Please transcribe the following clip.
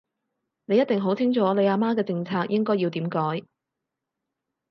你一定好清楚你阿媽嘅政策應該要點改